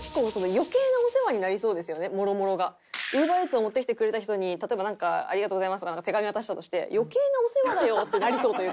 ＵｂｅｒＥａｔｓを持ってきてくれた人に例えば「ありがとうございます」とかなんか手紙渡したとして余計なお世話だよってなりそうというか。